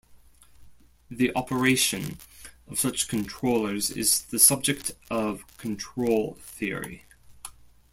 The operation of such controllers is the subject of control theory.